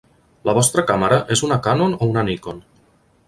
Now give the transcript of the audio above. La vostra càmera és una Canon o una Nikon?